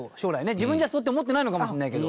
自分じゃそうやって思ってないのかもしれないけど。